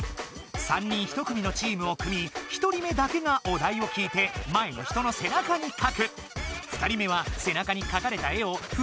３人１組のチームを組み１人目だけがお題をきいてお題はこちらです。